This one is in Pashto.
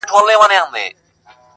د هوی و های د محفلونو د شرنګاه لوري.